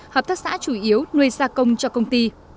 hợp tác xã chủ yếu nuôi gia công cho công ty